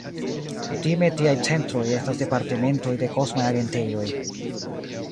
Kutime tiaj centroj estas departementoj de kosmaj agentejoj.